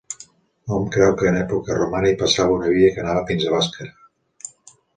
Hom creu que en època romana hi passava una via que anava fins a Bàscara.